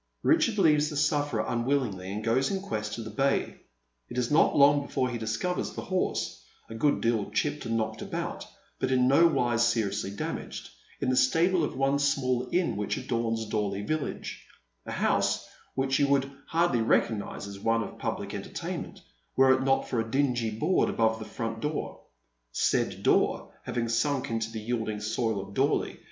Richard leaves the sufferer unwillingly, and goes in quest of the bay. It is not long before he discovers the horse, a good deal chipped and knocked about, but in no wise seriously damaged, in the stable of the one small inn which adorns Dorley village — a house which you would hardly recognise as one of pubhc enter tainment, were it not for a dingy board above the front door — said door ha'ving sunk into the yielding soil of Dorley in a de spondent and one sided manner.